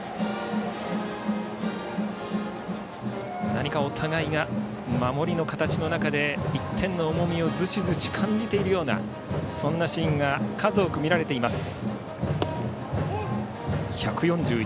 何かお互いが守りの形の中で１点の重みをずしずし感じているようなシーンが数多く見られています。